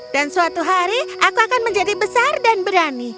dan suatu hari aku akan menjadi besar dan berani